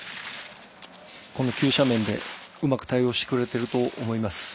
この急斜面でうまく対応してくれていると思います。